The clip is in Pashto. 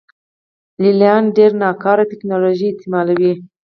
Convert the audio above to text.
لې لیان ډېره ناکاره ټکنالوژي استعملوي